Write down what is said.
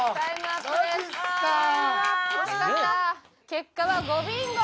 結果は５ビンゴ！